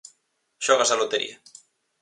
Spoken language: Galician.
Xogas á lotería?